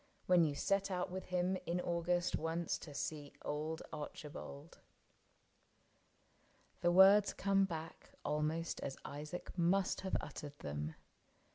When you set out with him in August once To see old Archibald." — The words come back Almost as Isaac must have uttered them.